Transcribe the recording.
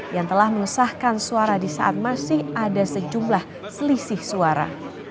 yang telah mengesahkan suara di saat masih ada sejumlah selisih suara